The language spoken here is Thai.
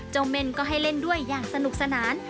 เม่นก็ให้เล่นด้วยอย่างสนุกสนาน